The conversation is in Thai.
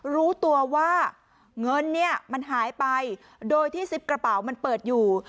รู้ตัวว่าเงินเนี่ยมันหายไปโดยที่ซิปกระเป๋ามันเปิดอยู่